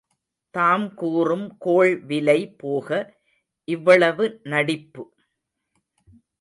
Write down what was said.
தாம் கூறும் கோள் விலை போக இவ்வளவு நடிப்பு!